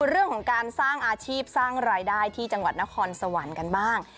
เรื่องของการสร้างอาชีพสร้างรายได้ที่จังหวัดนครสวรรค์กันบ้าง